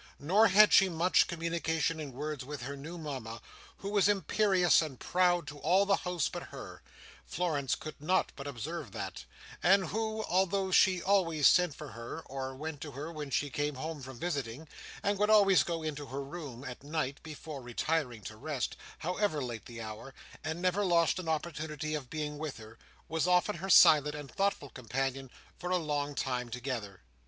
Nor had she much communication in words with her new Mama, who was imperious and proud to all the house but her—Florence could not but observe that—and who, although she always sent for her or went to her when she came home from visiting, and would always go into her room at night, before retiring to rest, however late the hour, and never lost an opportunity of being with her, was often her silent and thoughtful companion for a long time together.